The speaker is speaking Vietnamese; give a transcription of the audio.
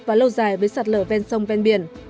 và lâu dài với sạt lở ven sông ven biển